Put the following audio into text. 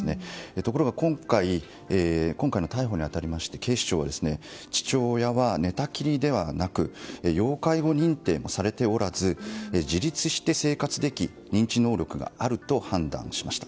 ところが、今回の逮捕に当たり警視庁は、父親は寝たきりではなく要介護認定もされておらず自立して生活でき認知能力があると判断しました。